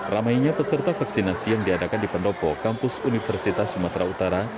ramainya peserta vaksinasi yang diadakan di pendopo kampus universitas sumatera utara